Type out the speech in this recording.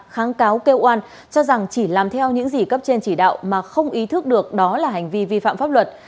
kháng cáo kêu oan cho rằng chỉ làm theo những gì cấp trên chỉ đạo mà không ý thức được đó là hành vi vi phạm pháp luật